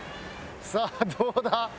さあどうだ？